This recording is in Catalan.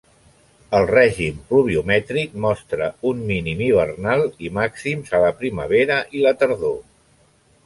El règim pluviomètric mostra un mínim hivernal i màxims a la primavera i la tardor.